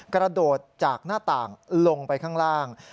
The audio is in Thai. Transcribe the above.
กระโดดจากหน้าต่างลงไปข้างล่าง